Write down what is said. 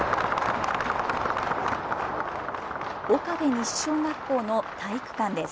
岡部西小学校の体育館です。